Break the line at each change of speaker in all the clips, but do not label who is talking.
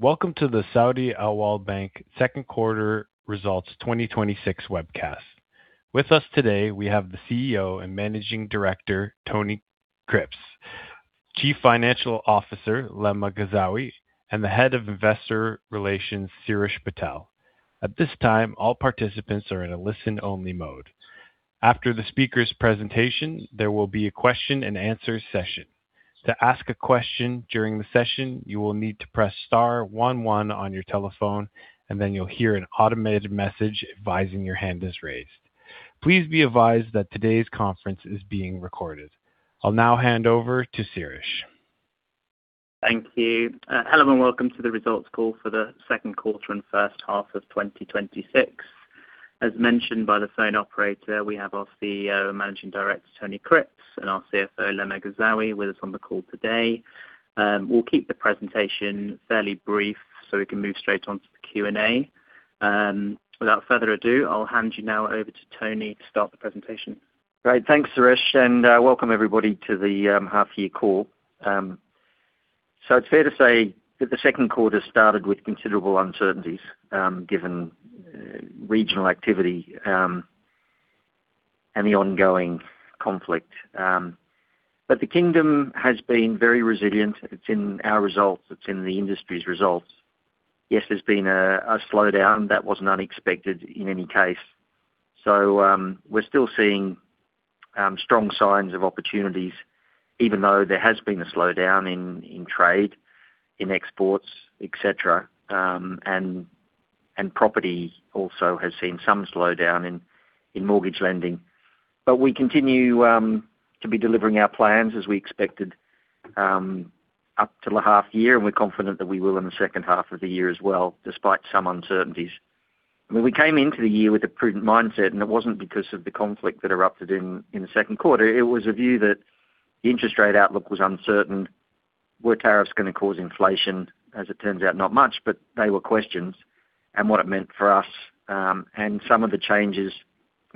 Welcome to the Saudi Awwal Bank Q2 results 2026 webcast. With us today, we have the CEO and Managing Director, Tony Cripps, Chief Financial Officer, Lama Ghazzaoui, and the Head of Investor Relations, Sirish Patel. At this time, all participants are in a listen-only mode. After the speakers' presentation, there will be a question and answer session. To ask a question during the session, you will need to press star one one on your telephone, and then you will hear an automated message advising your hand is raised. Please be advised that today's conference is being recorded. I will now hand over to Sirish.
Thank you. Hello, and welcome to the results call for the Q2 and H1 of 2026. As mentioned by the phone operator, we have our CEO and Managing Director, Tony Cripps, and our CFO, Lama Ghazzaoui, with us on the call today. We will keep the presentation fairly brief so we can move straight onto the Q&A. Without further ado, I will hand you now over to Tony to start the presentation.
Great. Thanks, Sirish, and welcome everybody to the half-year call. It is fair to say that the Q2 started with considerable uncertainties, given regional activity and the ongoing conflict. But the kingdom has been very resilient. It is in our results. It is in the industry's results. Yes, there has been a slowdown. That wasn't unexpected in any case. So we are still seeing strong signs of opportunities, even though there has been a slowdown in trade, in exports, et cetera. And property also has seen some slowdown in mortgage lending. But we continue to be delivering our plans as we expected up till the half-year, and we are confident that we will in the H2 of the year as well, despite some uncertainties. When we came into the year with a prudent mindset, and it wasn't because of the conflict that erupted in the Q2. It was a view that the interest rate outlook was uncertain. Were tariffs going to cause inflation? As it turns out, not much, but they were questions and what it meant for us, and some of the changes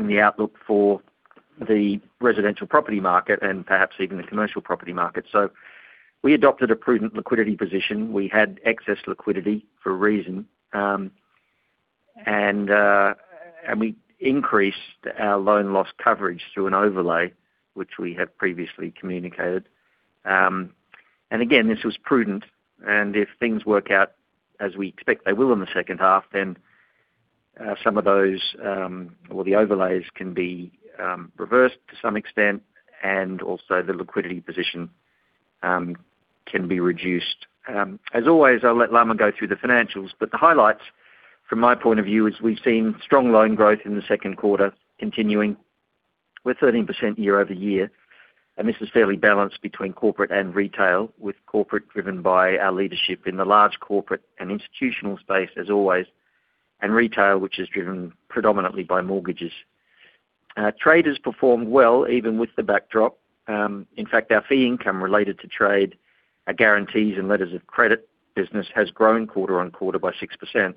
in the outlook for the residential property market and perhaps even the commercial property market. We adopted a prudent liquidity position. We had excess liquidity for a reason. And we increased our loan loss coverage through an overlay, which we have previously communicated. And again, this was prudent, and if things work out as we expect they will in the H2, then some of those, or the overlays can be reversed to some extent, and also the liquidity position can be reduced. As always, I will let Lama go through the financials. The highlights from my point of view is we've seen strong loan growth in the Q2 continuing with 13% year-over-year, and this is fairly balanced between Corporate and Retail, with Corporate driven by our leadership in the large Corporate and Institutional Banking space as always, and Retail, which is driven predominantly by mortgages. Trade has performed well even with the backdrop. In fact, our fee income related to trade, our guarantees and letters of credit business has grown quarter-on-quarter by 6%,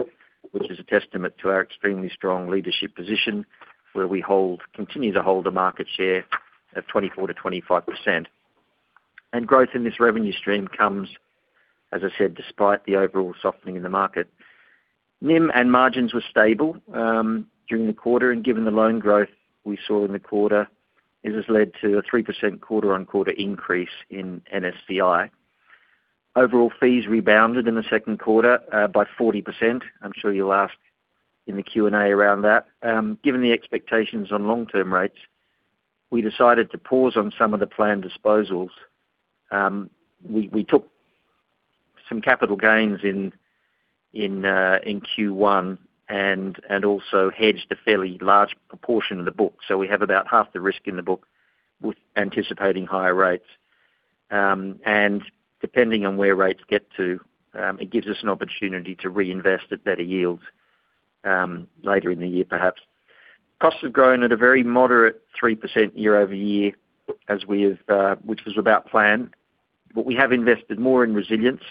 which is a testament to our extremely strong leadership position, where we continue to hold a market share of 24%-25%. Growth in this revenue stream comes, as I said, despite the overall softening in the market. NIM and margins were stable during the quarter, and given the loan growth we saw in the quarter, this has led to a 3% quarter-on-quarter increase in NSCI. Overall fees rebounded in the Q2 by 40%. I'm sure you'll ask in the Q&A around that. Given the expectations on long-term rates, we decided to pause on some of the planned disposals. We took some capital gains in Q1 and also hedged a fairly large proportion of the book. We have about half the risk in the book with anticipating higher rates. Depending on where rates get to, it gives us an opportunity to reinvest at better yields later in the year, perhaps. Costs have grown at a very moderate 3% year-over-year, which was about plan. We have invested more in resilience,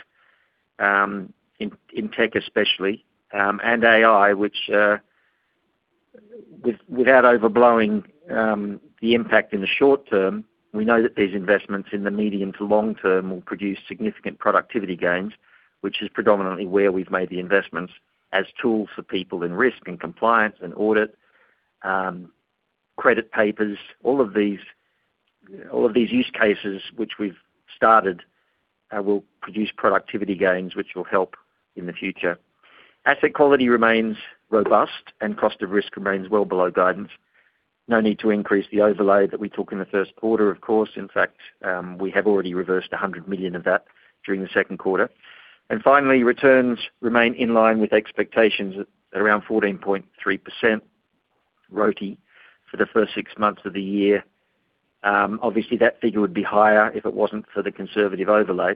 in tech especially, and AI. Without overblowing the impact in the short term, we know that these investments in the medium to long term will produce significant productivity gains, which is predominantly where we've made the investments as tools for people in risk and compliance and audit, credit papers. All of these use cases which we've started will produce productivity gains, which will help in the future. Asset quality remains robust and cost of risk remains well below guidance. No need to increase the overlay that we took in the Q1, of course. In fact, we have already reversed 100 million of that during the Q2. Finally, returns remain in line with expectations at around 14.3% RoTE for the first six months of the year. Obviously, that figure would be higher if it wasn't for the conservative overlay.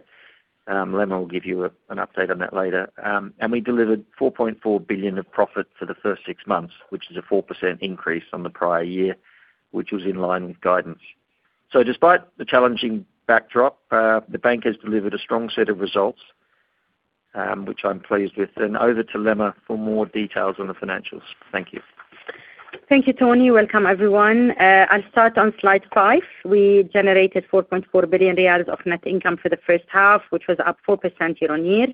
Lama will give you an update on that later. We delivered 4.4 billion of profit for the first six months, which is a 4% increase on the prior year, which was in line with guidance. Despite the challenging backdrop, the bank has delivered a strong set of results, which I'm pleased with. Over to Lama for more details on the financials. Thank you.
Thank you, Tony. Welcome, everyone. I'll start on slide five. We generated 4.4 billion riyals of net income for the H1, which was up 4% year-on-year.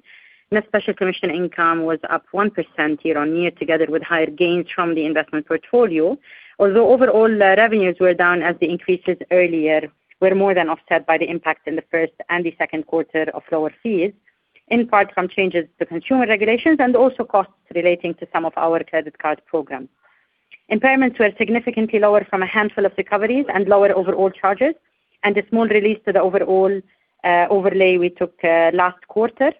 Net special commission income was up 1% year-on-year, together with higher gains from the investment portfolio. Overall, revenues were down as the increases earlier were more than offset by the impact in the first and Q2 of lower fees, in part from changes to consumer regulations and also costs relating to some of our credit card programs. Impairments were significantly lower from a handful of recoveries and lower overall charges, and a small release to the overall overlay we took last quarter.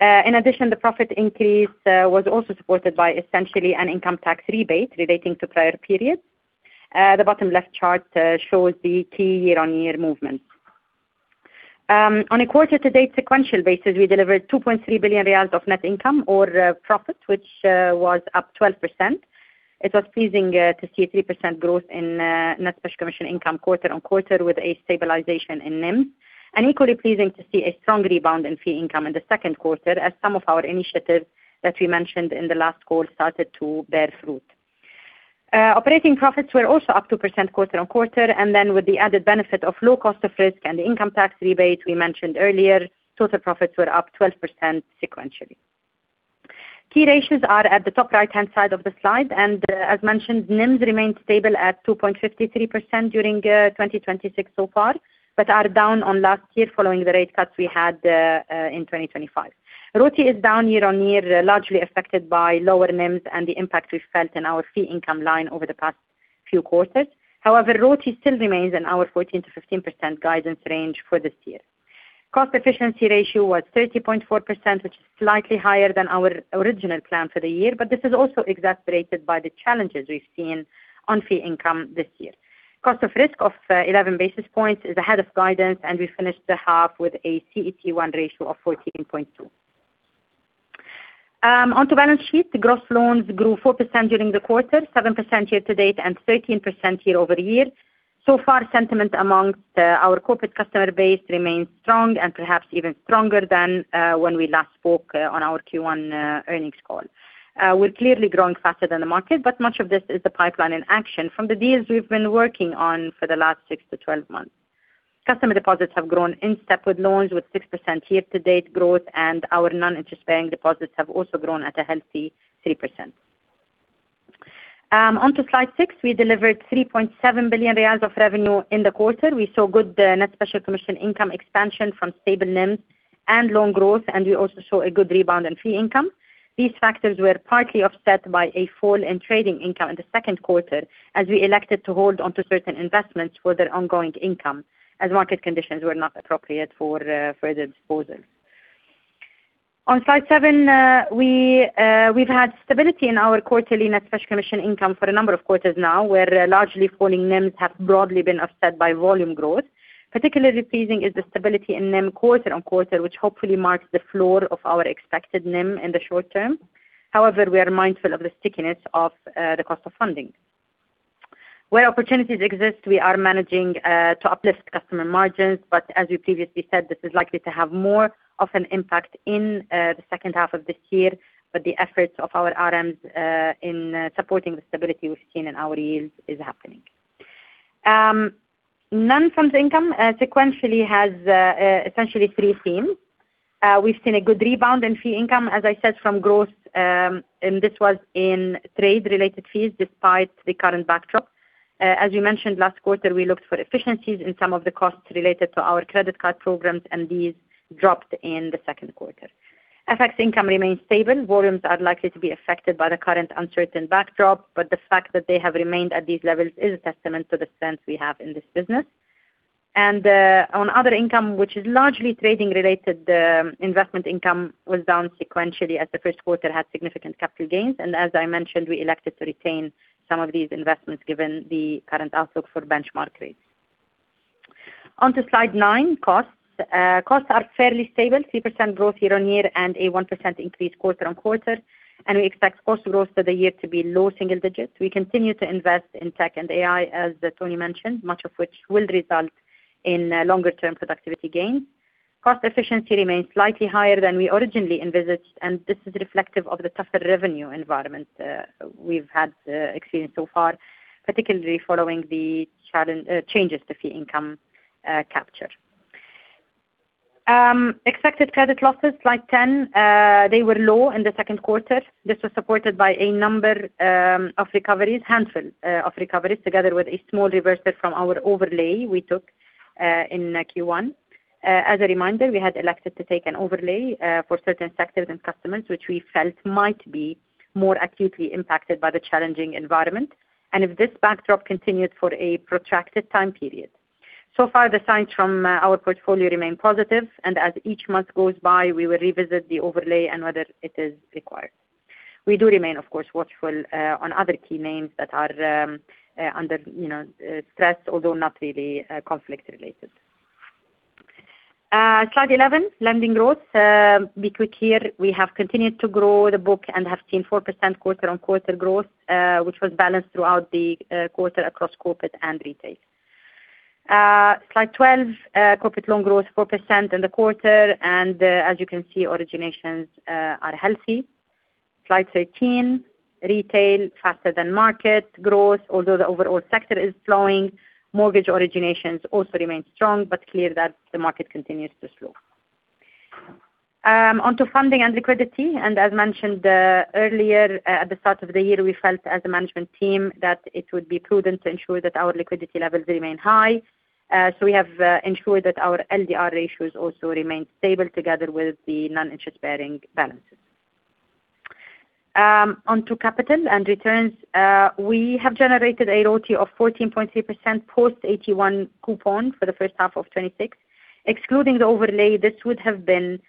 In addition, the profit increase was also supported by essentially an income tax rebate relating to prior periods. The bottom left chart shows the key year-on-year movements. On a quarter-to-date sequential basis, we delivered 2.3 billion riyals of net income or profit, which was up 12%. It was pleasing to see 3% growth in net special commission income quarter-on-quarter with a stabilization in NIMs. Equally pleasing to see a strong rebound in fee income in the Q2 as some of our initiatives that we mentioned in the last call started to bear fruit. Operating profits were also up 2% quarter-on-quarter. With the added benefit of low cost of risk and the income tax rebate we mentioned earlier, total profits were up 12% sequentially. Key ratios are at the top right-hand side of the slide. As mentioned, NIMs remained stable at 2.53% during 2026 so far, but are down on last year following the rate cuts we had in 2025. RoTE is down year-on-year, largely affected by lower NIMs and the impact we felt in our fee income line over the past few quarters. However, RoTE still remains in our 14%-15% guidance range for this year. Cost efficiency ratio was 30.4%, which is slightly higher than our original plan for the year. This is also exacerbated by the challenges we've seen on fee income this year. Cost of risk of 11 basis points is ahead of guidance. We finished the half with a CET1 ratio of 14.2%. Onto balance sheet. Gross loans grew 4% during the quarter, 7% year-to-date, 13% year-over-year. So far, sentiment amongst our corporate customer base remains strong and perhaps even stronger than when we last spoke on our Q1 earnings call. We're clearly growing faster than the market. Much of this is the pipeline in action from the deals we've been working on for the last 6-12 months. Customer deposits have grown in step with loans, with 6% year-to-date growth. Our non-interest-bearing deposits have also grown at a healthy 3%. Onto slide six, we delivered 3.7 billion riyals of revenue in the quarter. We saw good net special commission income expansion from stable NIMs and loan growth. We also saw a good rebound in fee income. These factors were partly offset by a fall in trading income in the Q2 as we elected to hold onto certain investments for their ongoing income, as market conditions were not appropriate for further disposal. On slide seven, we've had stability in our quarterly Net Special Commission Income for a number of quarters now, where largely falling NIMs have broadly been offset by volume growth. Particularly pleasing is the stability in NIM quarter-over-quarter, which hopefully marks the floor of our expected NIM in the short term. We are mindful of the stickiness of the cost of funding. Where opportunities exist, we are managing to uplift customer margins. As we previously said, this is likely to have more of an impact in the H2 of this year. The efforts of our RMs in supporting the stability we've seen in our yields is happening. Non-funds income sequentially has essentially three themes. We've seen a good rebound in fee income, as I said, from growth, and this was in trade-related fees despite the current backdrop. As we mentioned last quarter, we looked for efficiencies in some of the costs related to our credit card programs, these dropped in the Q2. FX income remains stable. Volumes are likely to be affected by the current uncertain backdrop, but the fact that they have remained at these levels is a testament to the strength we have in this business. On other income, which is largely trading related, investment income was down sequentially as the Q1 had significant capital gains. As I mentioned, we elected to retain some of these investments given the current outlook for benchmark rates. Onto slide nine, costs. Costs are fairly stable, 3% growth year-over-year and a 1% increase quarter-over-quarter. We expect cost growth for the year to be low single digits. We continue to invest in tech and AI, as Tony mentioned, much of which will result in longer term productivity gains. Cost efficiency remains slightly higher than we originally envisaged, this is reflective of the tougher revenue environment we've experienced so far, particularly following the changes to fee income capture. Expected Credit Losses, slide 10. They were low in the Q2. This was supported by a number of recoveries, handful of recoveries, together with a small reversal from our overlay we took in Q1. As a reminder, we had elected to take an overlay for certain sectors and customers, which we felt might be more acutely impacted by the challenging environment and if this backdrop continued for a protracted time period. So far, the signs from our portfolio remain positive, as each month goes by, we will revisit the overlay and whether it is required. We do remain, of course, watchful on other key names that are under stress, although not really conflict related. Slide 11, lending growth. Be quick here. We have continued to grow the book, have seen 4% quarter-over-quarter growth, which was balanced throughout the quarter across corporate and retail. Slide 12, corporate loan growth 4% in the quarter, as you can see, originations are healthy. Slide 13, retail faster than market growth, although the overall sector is slowing. Mortgage originations also remain strong, clear that the market continues to slow. Onto funding and liquidity, as mentioned earlier, at the start of the year, we felt as a management team that it would be prudent to ensure that our liquidity levels remain high. We have ensured that our LDR ratios also remain stable together with the non-interest-bearing balances. Onto capital and returns. We have generated a RoTE of 14.3% post AT1 coupon for the H1 of 2026. Excluding the overlay, this would have been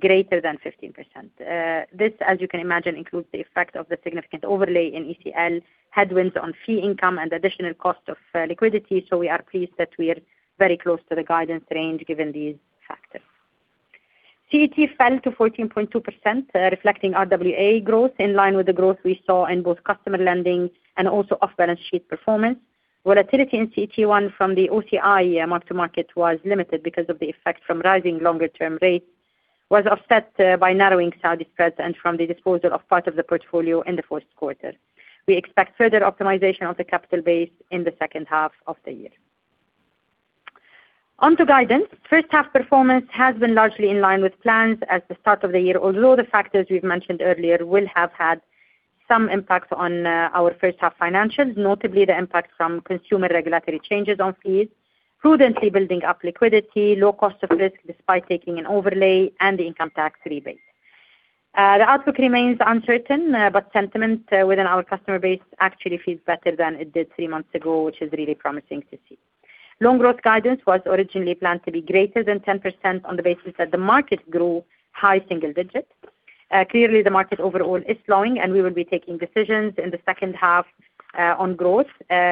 greater than 15%. This, as you can imagine, includes the effect of the significant overlay in ECL, headwinds on fee income, and additional cost of liquidity. We are pleased that we are very close to the guidance range given these factors. CET1 fell to 14.2%, reflecting RWA growth in line with the growth we saw in both customer lending and also off-balance sheet performance. Volatility in CET1 from the OCI mark to market was limited because of the effect from rising longer-term rates was offset by narrowing Saudi spreads and from the disposal of part of the portfolio in the Q1. We expect further optimization of the capital base in the H2 of the year. Onto guidance. H1 performance has been largely in line with plans at the start of the year, although the factors we've mentioned earlier will have had some impact on our H1 financials, notably the impact from consumer regulatory changes on fees, prudently building up liquidity, low cost of risk despite taking an overlay, and the income tax rebate. The outlook remains uncertain, but sentiment within our customer base actually feels better than it did three months ago, which is really promising to see. Loan growth guidance was originally planned to be greater than 10% on the basis that the market grew high single digits. Clearly, the market overall is slowing, and we will be taking decisions in the H2 on growth,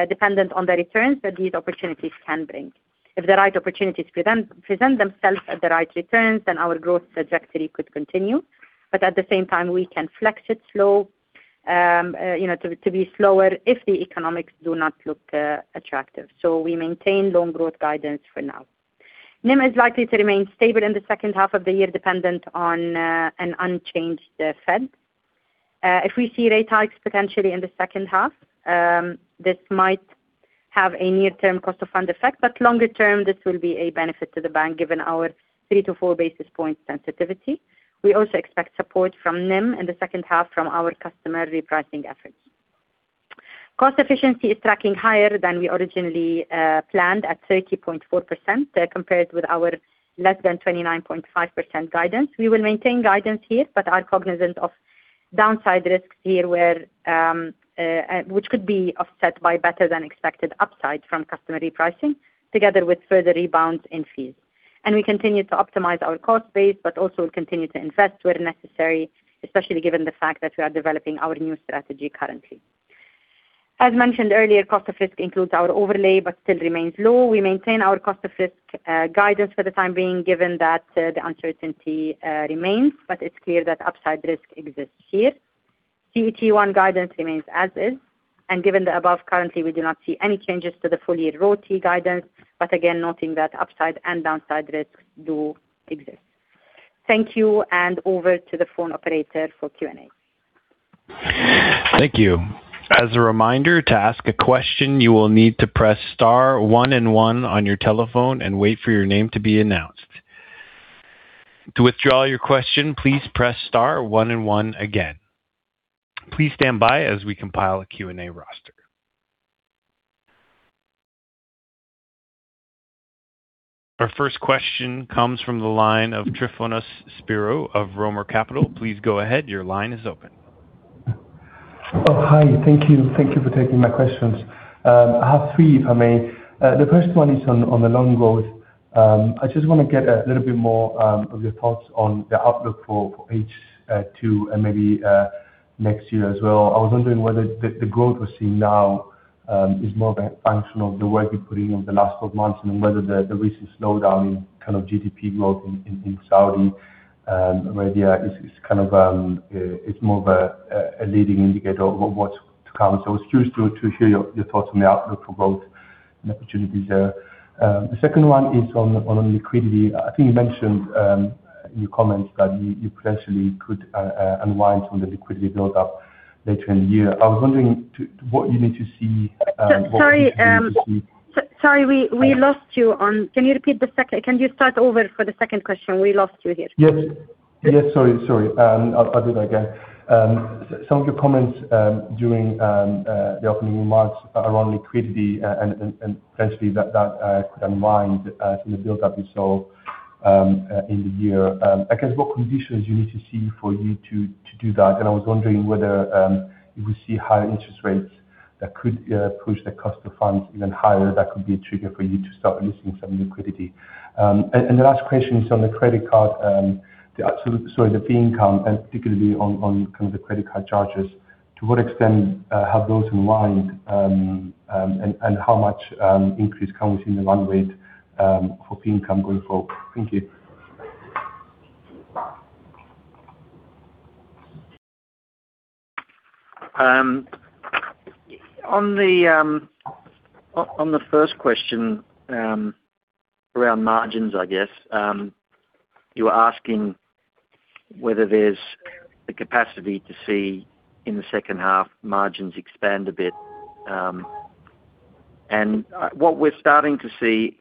dependent on the returns that these opportunities can bring. If the right opportunities present themselves at the right returns, then our growth trajectory could continue. At the same time, we can flex it to be slower if the economics do not look attractive. We maintain loan growth guidance for now. NIM is likely to remain stable in the H2 of the year, dependent on an unchanged Fed. If we see rate hikes potentially in the H2, this might have a near-term cost of fund effect, but longer term, this will be a benefit to the bank given our three to four basis points sensitivity. We also expect support from NIM in the H2 from our customer repricing efforts. Cost efficiency is tracking higher than we originally planned at 30.4% compared with our less than 29.5% guidance. We will maintain guidance here, but are cognizant of downside risks here which could be offset by better than expected upside from customer repricing, together with further rebounds in fees. We continue to optimize our cost base, but also continue to invest where necessary, especially given the fact that we are developing our new strategy currently. As mentioned earlier, cost of risk includes our overlay but still remains low. We maintain our cost of risk guidance for the time being, given that the uncertainty remains, but it's clear that upside risk exists here. CET1 guidance remains as is, given the above, currently, we do not see any changes to the full-year RoTE guidance, but again, noting that upside and downside risks do exist. Thank you, and over to the phone operator for Q&A.
Thank you. As a reminder, to ask a question, you will need to press star one and one on your telephone and wait for your name to be announced. To withdraw your question, please press star one and one again. Please stand by as we compile a Q&A roster. Our first question comes from the line of Tryfonas Spyrou of Roemer Capital. Please go ahead. Your line is open.
Oh, hi. Thank you for taking my questions. I have three, if I may. The first one is on the loan growth. I just want to get a little bit more of your thoughts on the outlook for H2 and maybe next year as well. I was wondering whether the growth we're seeing now is more a function of the work you're putting in the last 12 months, and whether the recent slowdown in GDP growth in Saudi Arabia is more of a leading indicator of what's to come. I was curious to hear your thoughts on the outlook for growth and opportunities there. The second one is on liquidity. I think you mentioned in your comments that you potentially could unwind some of the liquidity build-up later in the year. I was wondering what you need to see-
Sorry, we lost you on Can you start over for the second question? We lost you here.
Yes. Sorry. I'll do that again. Some of your comments during the opening remarks around liquidity and potentially that could unwind some of the build-up we saw in the year. I guess what conditions you need to see for you to do that? I was wondering whether you would see higher interest rates that could push the cost of funds even higher, that could be a trigger for you to start releasing some liquidity. The last question is on the credit card, sorry, the fee income, and particularly on the credit card charges. To what extent have those in mind, and how much increase can we see in the run rate for fee income going forward? Thank you.
On the first question around margins, I guess, you were asking whether there is the capacity to see in the H2 margins expand a bit. What we are starting to see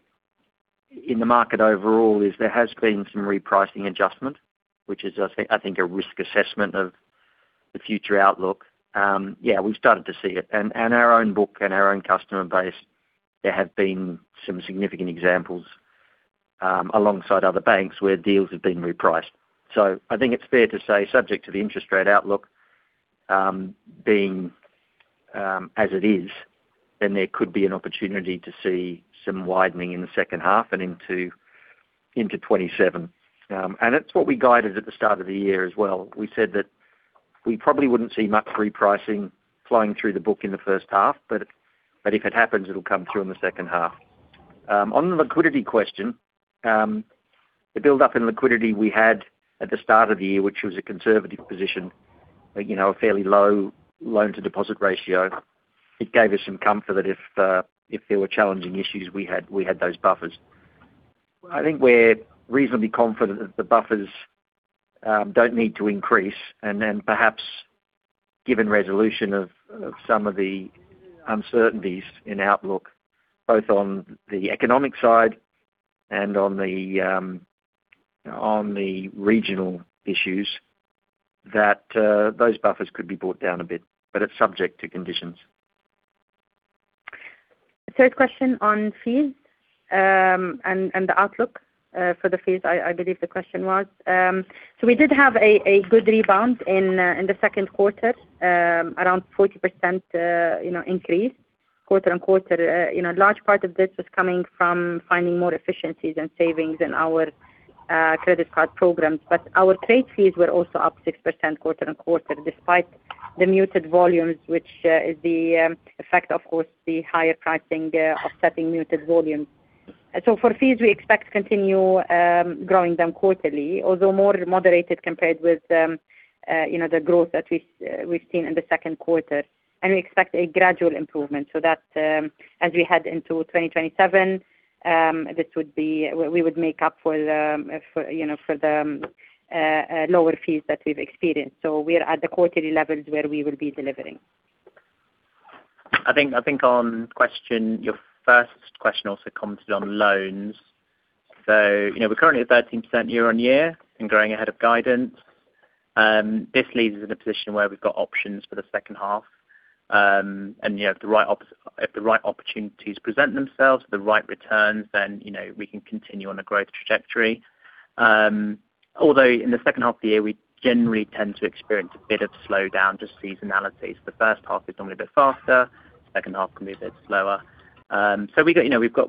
in the market overall is there has been some repricing adjustment, which is I think a risk assessment of the future outlook. Yeah, we have started to see it. Our own book and our own customer base, there have been some significant examples, alongside other banks where deals have been repriced. I think it is fair to say subject to the interest rate outlook being as it is, then there could be an opportunity to see some widening in the H2 and into 2027. It is what we guided at the start of the year as well. We said that we probably would not see much repricing flowing through the book in the H1, but if it happens, it will come through in the H2. On the liquidity question, the buildup in liquidity we had at the start of the year, which was a conservative position, a fairly low loan-to-deposit ratio. It gave us some comfort that if there were challenging issues, we had those buffers. I think we are reasonably confident that the buffers do not need to increase, and then perhaps given resolution of some of the uncertainties in outlook, both on the economic side and on the regional issues, that those buffers could be brought down a bit, but it is subject to conditions.
Third question on fees, and the outlook for the fees, I believe the question was. We did have a good rebound in the Q2, around 40% increase quarter-on-quarter. A large part of this was coming from finding more efficiencies and savings in our credit card programs. Our trade fees were also up 6% quarter-on-quarter, despite the muted volumes, which is the effect, of course, the higher pricing offsetting muted volumes. For fees, we expect to continue growing them quarterly, although more moderated compared with the growth that we have seen in the Q2. We expect a gradual improvement so that as we head into 2027, we would make up for the lower fees that we have experienced. We are at the quarterly levels where we will be delivering.
I think on your first question also commented on loans. We are currently at 13% year-on-year and growing ahead of guidance. This leaves us in a position where we have got options for the H2. If the right opportunities present themselves with the right returns, then we can continue on a growth trajectory. Although in the H2 of the year, we generally tend to experience a bit of slowdown, just seasonality. The H1 is normally a bit faster, H2 can be a bit slower. We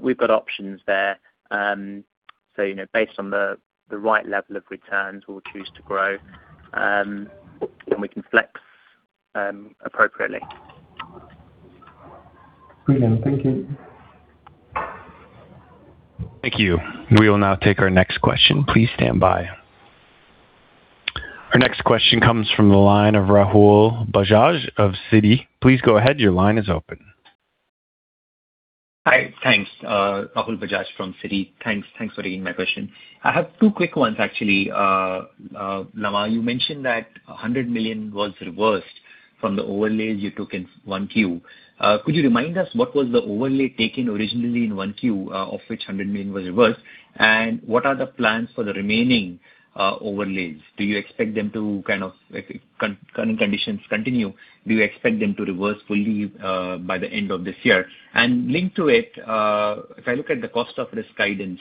have got options there. Based on the right level of returns, we will choose to grow, and we can flex appropriately.
Brilliant. Thank you.
Thank you. We will now take our next question. Please stand by. Our next question comes from the line of Rahul Bajaj of Citi. Please go ahead. Your line is open.
Hi, thanks. Rahul Bajaj from Citi. Thanks for taking my question. I have two quick ones, actually. Lama, you mentioned that 100 million was reversed from the overlays you took in Q1. Could you remind us what was the overlay taken originally in Q1, of which 100 million was reversed, and what are the plans for the remaining overlays? If current conditions continue, do you expect them to reverse fully by the end of this year? Linked to it, if I look at the cost of risk guidance,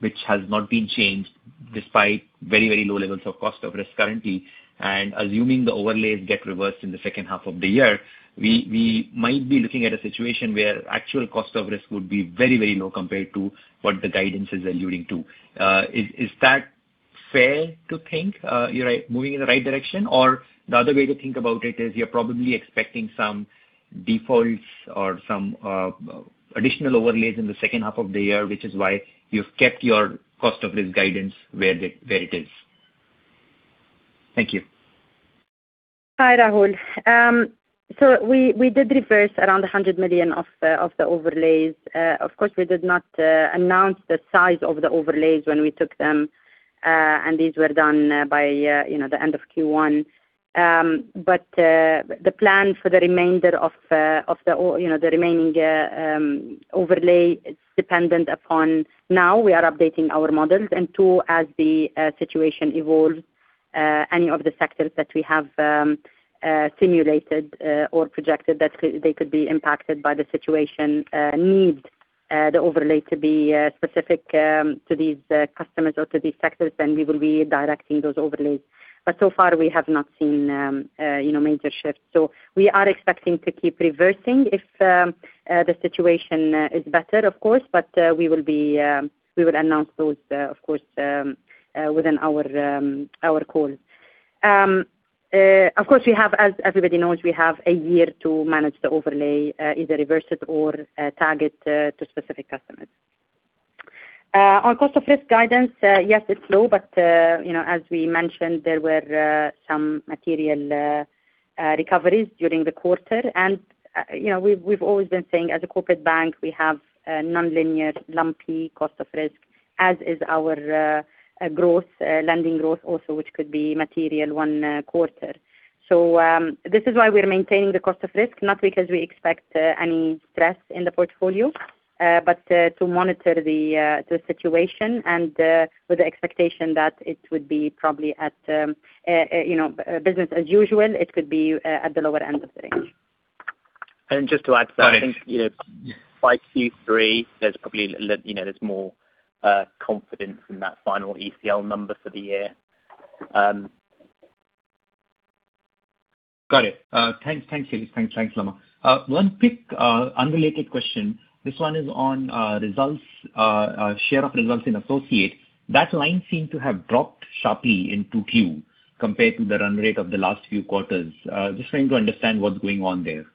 which has not been changed despite very low levels of cost of risk currently, and assuming the overlays get reversed in the H2 of the year, we might be looking at a situation where actual cost of risk would be very low compared to what the guidance is alluding to. Is that fair to think you're moving in the right direction? The other way to think about it is you're probably expecting some defaults or some additional overlays in the H2 of the year, which is why you've kept your cost of risk guidance where it is. Thank you.
Hi, Rahul. We did reverse around 100 million of the overlays. Of course, we did not announce the size of the overlays when we took them, and these were done by the end of Q1. The plan for the remaining overlay is dependent upon now we are updating our models and two, as the situation evolves, any of the sectors that we have simulated or projected that they could be impacted by the situation need the overlay to be specific to these customers or to these sectors, then we will be directing those overlays. So far, we have not seen major shifts. We are expecting to keep reversing if the situation is better, of course, but we will announce those, of course, within our calls. Of course, as everybody knows, we have a year to manage the overlay, either reverse it or target to specific customers. On cost of risk guidance, yes, it's low, but as we mentioned, there were some material recoveries during the quarter. We've always been saying as a corporate bank, we have a non-linear lumpy cost of risk, as is our lending growth also, which could be material one quarter. This is why we're maintaining the cost of risk, not because we expect any stress in the portfolio, but to monitor the situation and with the expectation that it would be probably business as usual, it could be at the lower end of the range.
Just to add to that. I think, by Q3, there's more confidence in that final ECL number for the year.
Got it. Thanks, Tony. Thanks, Lama. One quick unrelated question. This one is on share of results in associates. That line seem to have dropped sharply in Q2 compared to the run rate of the last few quarters. Just trying to understand what's going on there.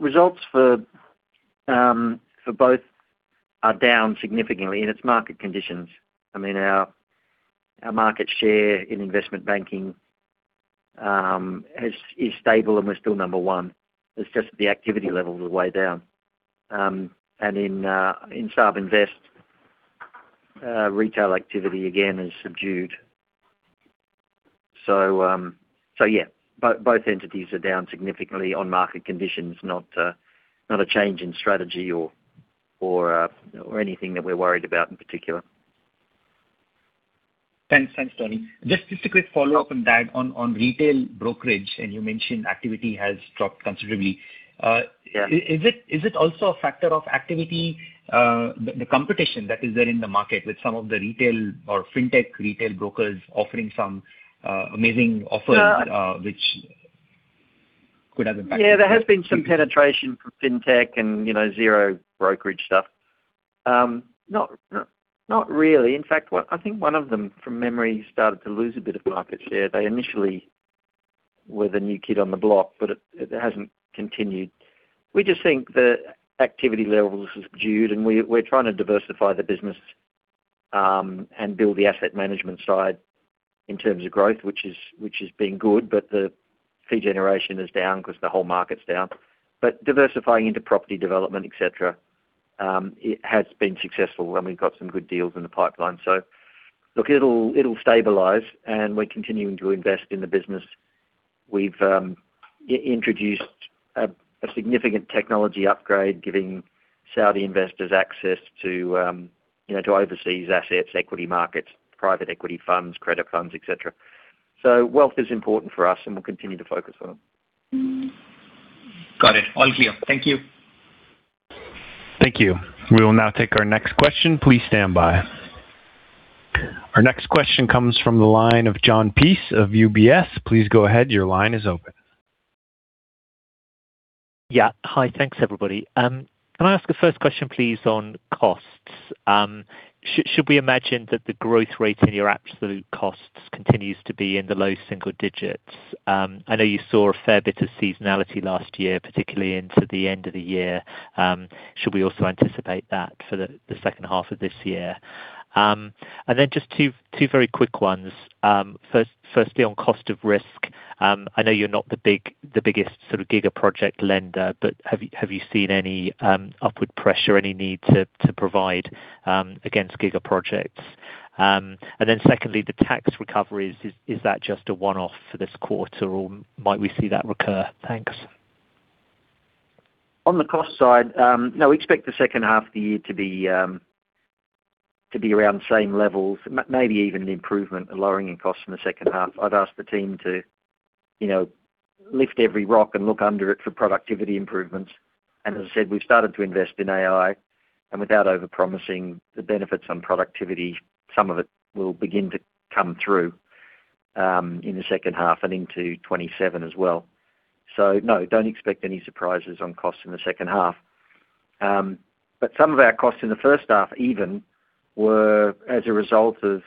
Results for both are down significantly, and it's market conditions. Our market share in investment banking is stable and we're still number one. It's just the activity levels are way down. In SAB Invest, retail activity, again, is subdued. Both entities are down significantly on market conditions, not a change in strategy or anything that we're worried about in particular.
Thanks, Tony. Just a quick follow-up on that. On retail brokerage, you mentioned activity has dropped considerably.
Yeah.
Is it also a factor of activity, the competition that is there in the market with some of the retail or fintech retail brokers offering some amazing offers which could have impacted?
Yeah, there has been some penetration from fintech and zero brokerage stuff. Not really. In fact, I think one of them, from memory, started to lose a bit of market share. They initially were the new kid on the block, but it hasn't continued. We just think the activity levels have subdued, and we're trying to diversify the business, and build the asset management side in terms of growth, which has been good. The fee generation is down because the whole market's down. Diversifying into property development, et cetera, it has been successful, and we've got some good deals in the pipeline. Look, it'll stabilize, and we're continuing to invest in the business. We've introduced a significant technology upgrade, giving Saudi investors access to overseas assets, equity markets, private equity funds, credit funds, et cetera. Wealth is important for us, and we'll continue to focus on them.
Got it. All clear. Thank you.
Thank you. We will now take our next question. Please stand by. Our next question comes from the line of Jon Peace of UBS. Please go ahead. Your line is open.
Yeah. Hi. Thanks, everybody. Can I ask a first question, please, on costs? Should we imagine that the growth rate in your absolute costs continues to be in the low single digits? I know you saw a fair bit of seasonality last year, particularly into the end of the year. Should we also anticipate that for the H2 of this year? Just two very quick ones. Firstly, on cost of risk, I know you're not the biggest giga-project lender, but have you seen any upward pressure or any need to provide against giga projects? Secondly, the tax recoveries, is that just a one-off for this quarter, or might we see that recur? Thanks.
On the cost side, no, we expect the H2 of the year to be around the same levels, maybe even an improvement, a lowering in cost in the H2. I'd asked the team to lift every rock and look under it for productivity improvements. As I said, we've started to invest in AI, and without overpromising the benefits on productivity, some of it will begin to come through, in the H2 and into 2027 as well. No, don't expect any surprises on costs in the H2. Some of our costs in the H1 even were as a result of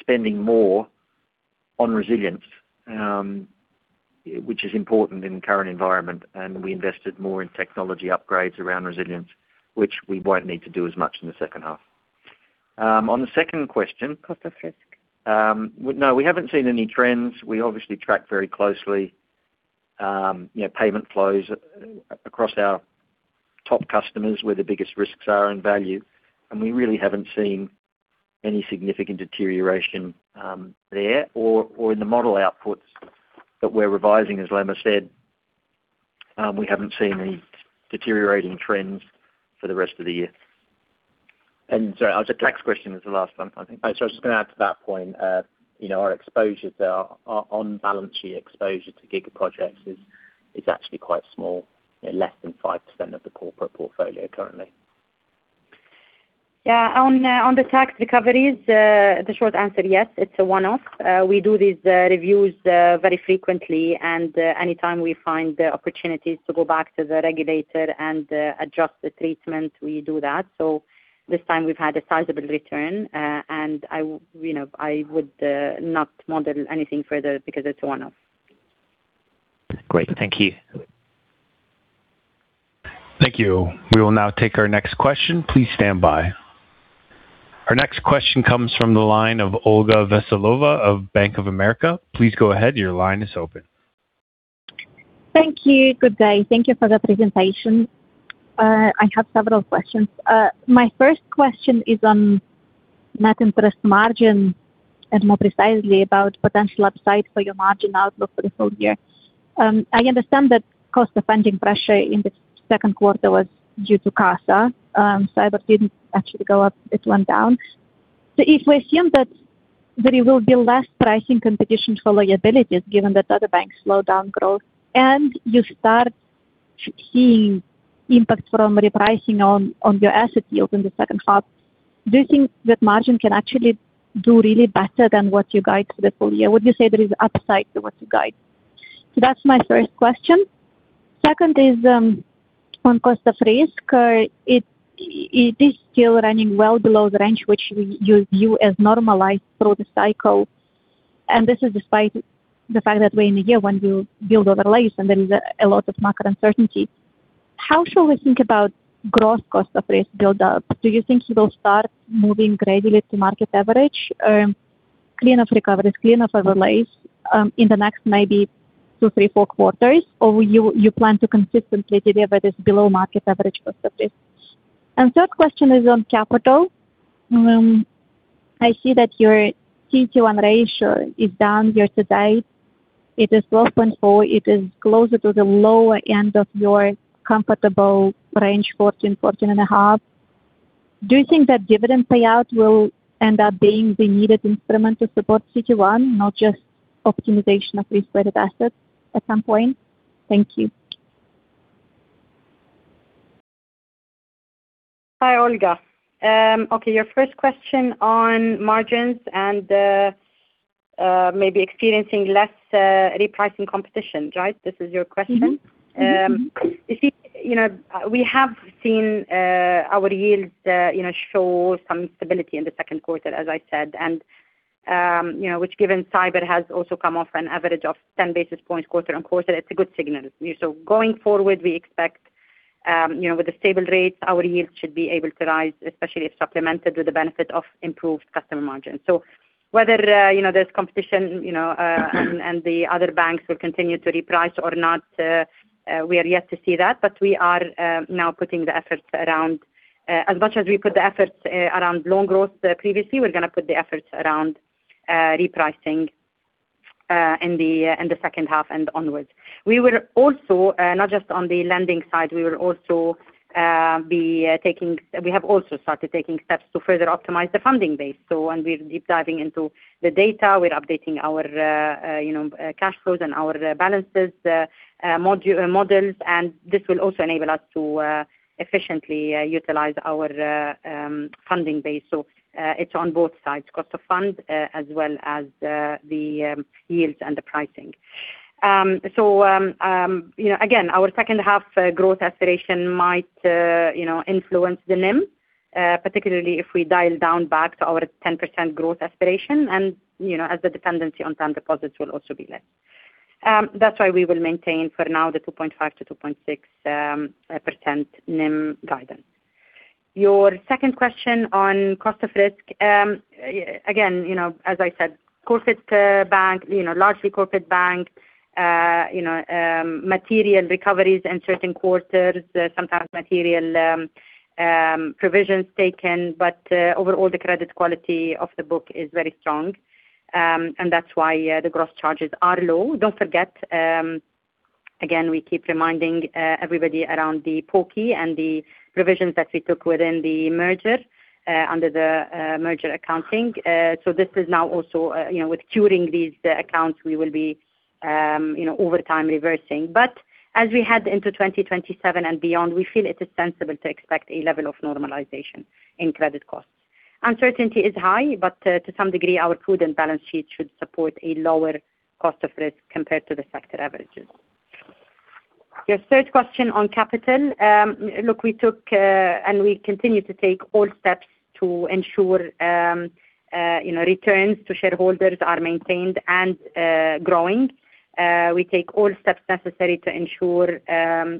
spending more on resilience, which is important in the current environment, and we invested more in technology upgrades around resilience, which we won't need to do as much in the H2. On the second question- Cost of risk. No, we haven't seen any trends. We obviously track very closely payment flows across our top customers, where the biggest risks are in value. We really haven't seen any significant deterioration there or in the model outputs that we're revising, as Lama said. We haven't seen any deteriorating trends for the rest of the year. Sorry, the tax question was the last one, I think. Sorry, I was just going to add to that point. Our on-balance-sheet exposure to giga projects is actually quite small, less than 5% of the corporate portfolio currently.
On the tax recoveries, the short answer, yes, it's a one-off. We do these reviews very frequently, and anytime we find opportunities to go back to the regulator and adjust the treatment, we do that. This time we've had a sizable return, and I would not model anything further because it's a one-off. Great. Thank you.
Thank you. We will now take our next question. Please stand by. Our next question comes from the line of Olga Veselova of Bank of America. Please go ahead. Your line is open.
Thank you. Good day. Thank you for the presentation. I have several questions. My first question is on net interest margin, and more precisely about potential upside for your margin outlook for the full-year. I understand that cost of funding pressure in the Q2 was due to CASA. SAIBOR didn't actually go up, it went down. If we assume that there will be less pricing competition for liabilities, given that other banks slow down growth, and you start seeing impact from repricing on your asset yields in the H2, do you think that margin can actually do really better than what you guide for the full-year? Would you say there is upside to what you guide? That's my first question. Second is, on cost of risk. It is still running well below the range which we view as normalized through the cycle, this is despite the fact that we're in a year when we build overlays and there is a lot of macro uncertainty. How should we think about gross cost of risk build up? Do you think it will start moving gradually to market average, clean of recoveries, clean of overlays, in the next maybe two, three, four quarters? Or you plan to consistently deliver this below market average cost of risk? Third question is on capital. I see that your CET1 ratio is down year to date. It is 12.4. It is closer to the lower end of your comfortable range, 14.5. Do you think that dividend payout will end up being the needed instrument to support CET1, not just optimization of risk-weighted assets at some point? Thank you.
Hi, Olga. Your first question on margins and maybe experiencing less repricing competition, right? This is your question? You see, we have seen our yields show some stability in the Q2, as I said, and which given SAIBOR has also come off an average of 10 basis points quarter-on-quarter, it's a good signal. Going forward, we expect, with the stable rates, our yields should be able to rise, especially if supplemented with the benefit of improved customer margins. Whether there's competition, and the other banks will continue to reprice or not, we are yet to see that. We're now putting the efforts around as much as we put the efforts around loan growth previously, we're going to put the efforts around repricing in the H2 and onwards. Not just on the lending side, we have also started taking steps to further optimize the funding base. When we're deep diving into the data, we're updating our cash flows and our balances, modules, models, and this will also enable us to efficiently utilize our funding base. It's on both sides, cost of funds as well as the yields and the pricing. Again, our H2 growth aspiration might influence the NIM, particularly if we dial down back to our 10% growth aspiration and as the dependency on term deposits will also be less. That's why we will maintain for now the 2.5%-2.6% NIM guidance. Your second question on cost of risk. Again, as I said, largely corporate bank, material recoveries in certain quarters, sometimes material provisions taken, but overall the credit quality of the book is very strong. That's why the gross charges are low. Don't forget, again, we keep reminding everybody around the POCI and the provisions that we took within the merger, under the merger accounting. This is now also with curing these accounts, we will be over time reversing. As we head into 2027 and beyond, we feel it is sensible to expect a level of normalization in credit costs. Uncertainty is high, but to some degree, our prudent balance sheet should support a lower cost of risk compared to the sector averages. Your third question on capital. Look, we took, and we continue to take all steps to ensure returns to shareholders are maintained and growing. We take all steps necessary to ensure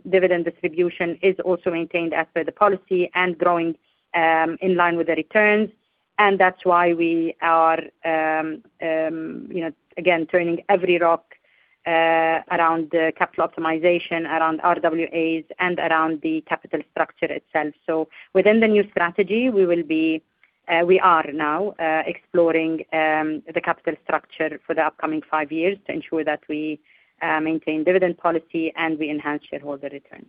dividend distribution is also maintained as per the policy and growing in line with the returns, that's why we are, again, turning every rock around capital optimization, around RWAs, and around the capital structure itself. Within the new strategy, we are now exploring the capital structure for the upcoming five years to ensure that we maintain dividend policy and we enhance shareholder returns.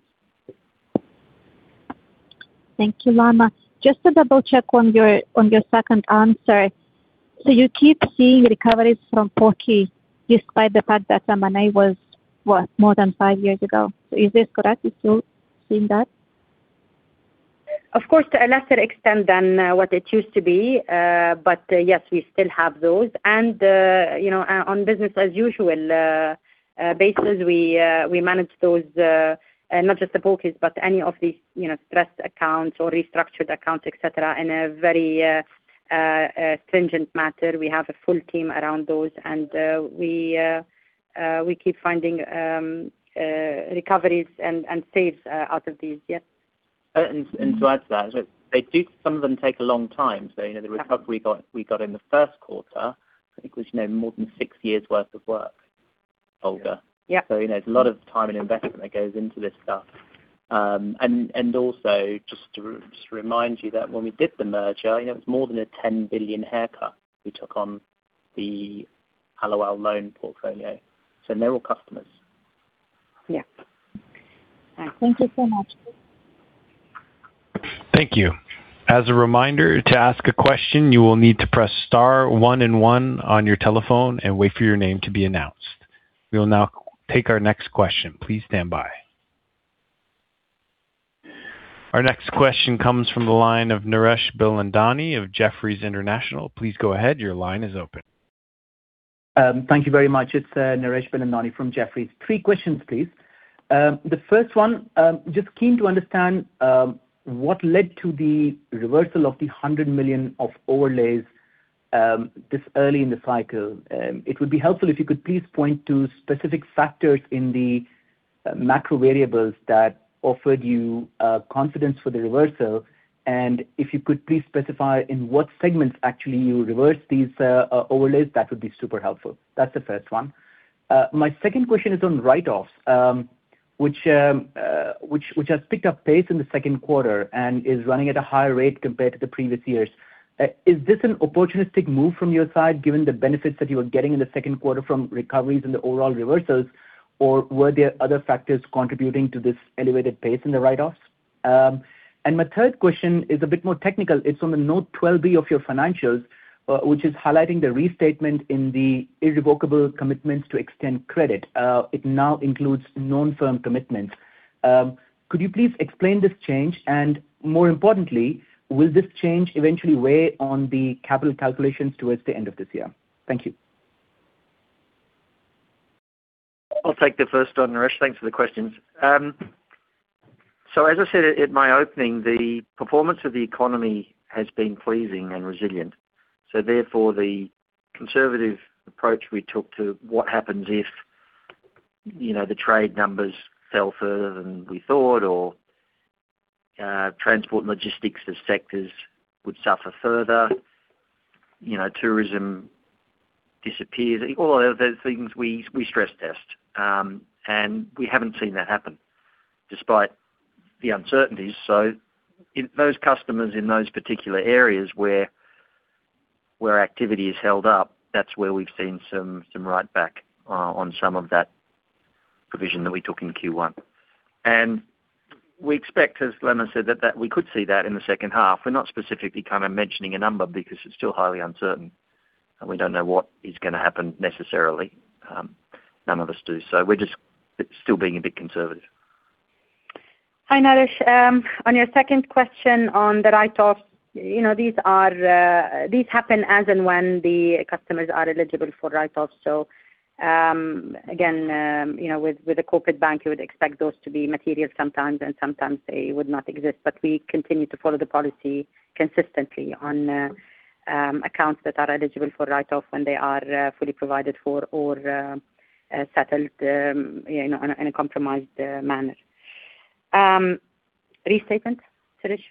Thank you, Lama. Just to double check on your second answer. You keep seeing recoveries from POCI despite the fact that M&A was, what, more than five years ago. Is this correct? You're still seeing that?
Of course, to a lesser extent than what it used to be. Yes, we still have those and, on business as usual basis, we manage those, not just the POCIs, but any of these stressed accounts or restructured accounts, et cetera, in a very stringent manner. We have a full team around those and we keep finding recoveries and saves out of these. Yes.
To add to that, some of them take a long time. The recovery we got in the Q1, I think was more than six years' worth of work, Olga.
Yeah.
There's a lot of time and investment that goes into this stuff. Also, just to remind you that when we did the merger, it was more than a 10 billion haircut we took on the ALAW loan portfolio. They're all customers.
Yeah. Thank you so much.
Thank you. As a reminder, to ask a question, you will need to press star one and one on your telephone and wait for your name to be announced. We will now take our next question. Please stand by. Our next question comes from the line of Naresh Bilandani of Jefferies International. Please go ahead. Your line is open.
Thank you very much. It's Naresh Bilandani from Jefferies. three questions, please. The first one, just keen to understand what led to the reversal of the 100 million of overlays, this early in the cycle. It would be helpful if you could please point to specific factors in the macro variables that offered you confidence for the reversal. If you could please specify in what segments actually you reversed these overlays, that would be super helpful. That's the first one. My second question is on write-offs, which has picked up pace in the Q2 and is running at a higher rate compared to the previous years. Is this an opportunistic move from your side, given the benefits that you are getting in the Q2 from recoveries and the overall reversals, or were there other factors contributing to this elevated pace in the write-offs? My third question is a bit more technical. It's on the note 12B of your financials, which is highlighting the restatement in the irrevocable commitments to extend credit. It now includes non-firm commitments. Could you please explain this change, and more importantly, will this change eventually weigh on the capital calculations towards the end of this year? Thank you.
I'll take the first one, Naresh. Thanks for the questions. As I said in my opening, the performance of the economy has been pleasing and resilient. Therefore, the conservative approach we took to what happens if the trade numbers fell further than we thought or transport and logistics as sectors would suffer further, tourism disappears. All of those things we stress test. We haven't seen that happen despite the uncertainties. Those customers in those particular areas where activity is held up, that's where we've seen some write back on some of that provision that we took in Q1. We expect, as Lama said, that we could see that in the H2. We're not specifically mentioning a number because it's still highly uncertain, and we don't know what is going to happen necessarily. None of us do. We're just still being a bit conservative.
Hi, Naresh. On your second question on the write-offs, these happen as and when the customers are eligible for write-offs. Again, with a corporate bank, you would expect those to be material sometimes, and sometimes they would not exist. We continue to follow the policy consistently on accounts that are eligible for write-off when they are fully provided for or settled in a compromised manner. Restatement, Sirish?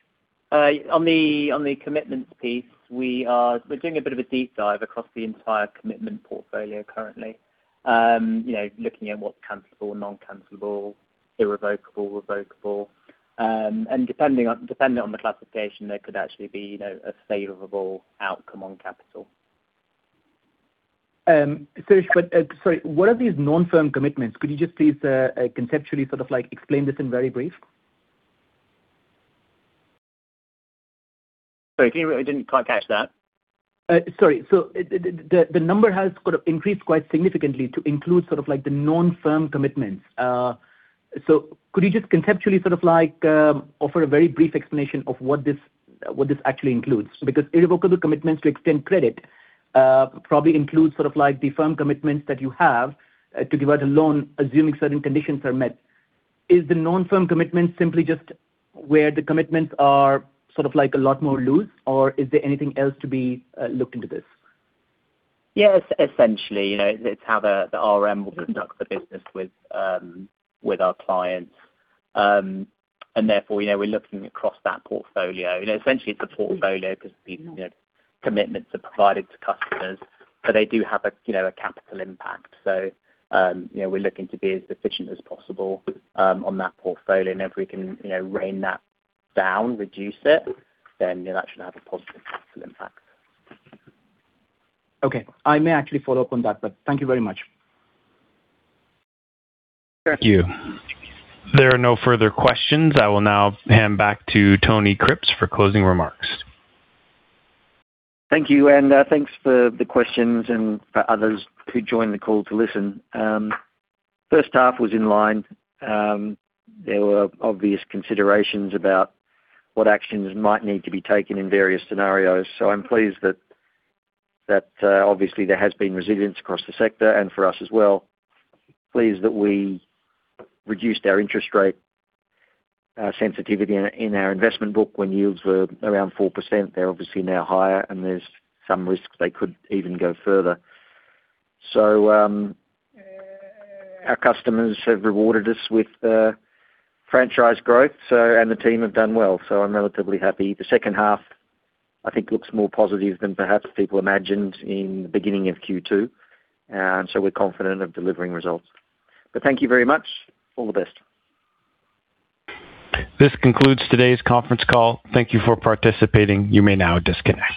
On the commitments piece, we're doing a bit of a deep dive across the entire commitment portfolio currently. Looking at what's cancelable, non-cancelable, irrevocable, revocable. Depending on the classification, there could actually be a favorable outcome on capital.
Sirish, sorry, what are these non-firm commitments? Could you just please conceptually explain this in very brief?
Sorry, can you repeat? I didn't quite catch that.
Sorry. The number has increased quite significantly to include the non-firm commitments. Could you just conceptually offer a very brief explanation of what this actually includes? Irrevocable commitments to extend credit probably includes the firm commitments that you have to give out a loan, assuming certain conditions are met. Is the non-firm commitment simply just where the commitments are a lot more loose, or is there anything else to be looked into this?
Yes, essentially, it's how the RM will conduct the business with our clients. Therefore, we're looking across that portfolio. Essentially, it's a portfolio because these commitments are provided to customers, but they do have a capital impact. We're looking to be as efficient as possible on that portfolio. If we can rein that down, reduce it, then it'll actually have a positive capital impact.
Okay. I may actually follow-up on that, thank you very much.
Thank you. There are no further questions. I will now hand back to Tony Cripps for closing remarks.
Thank you, thanks for the questions and for others who joined the call to listen. H1 was in line. There were obvious considerations about what actions might need to be taken in various scenarios. I'm pleased that obviously there has been resilience across the sector and for us as well. Pleased that we reduced our interest rate sensitivity in our investment book when yields were around 4%. They're obviously now higher and there's some risks they could even go further. Our customers have rewarded us with franchise growth, and the team have done well. I'm relatively happy. The H2, I think, looks more positive than perhaps people imagined in the beginning of Q2. We're confident of delivering results. Thank you very much. All the best.
This concludes today's conference call. Thank you for participating. You may now disconnect.